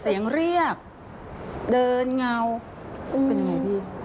เสียงเรียกเดินเงาเป็นยังไงพี่